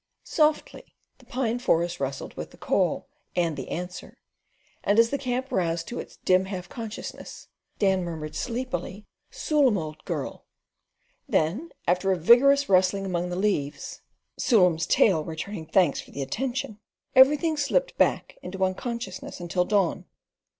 Softly the pine forest rustled with the call and the answer; and as the camp roused to its dim half consciousness, Dan murmured sleepily, "Sool'em, old girl" then after a vigorous rustling among the leaves (Sool'em's tail returning thanks for the attention), everything slipped back into unconsciousness until the dawn.